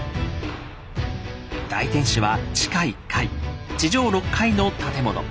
大天守は地下１階地上６階の建物。